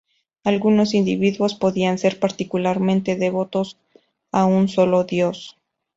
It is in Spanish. Algunos individuos podían ser particularmente devotos a un solo dios.